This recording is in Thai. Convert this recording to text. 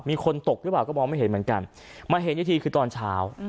มีคนตกหรือเปล่าก็มองไม่เห็นเหมือนกันมาเห็นอีกทีคือตอนเช้า